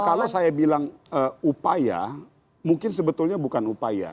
kalau saya bilang upaya mungkin sebetulnya bukan upaya